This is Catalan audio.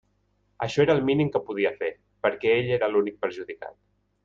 Això era el mínim que podia fer, perquè ell era l'únic perjudicat.